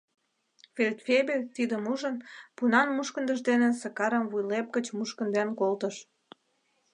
Фельдфебель, тидым ужын, пунан мушкындыж дене Сакарым вуйлеп гыч мушкынден колтыш.